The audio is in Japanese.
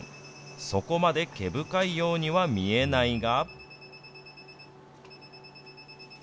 そこまで毛深いようには見えないが。